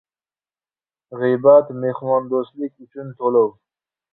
— G‘iybat – mehmondo‘stlik uchun to‘lov.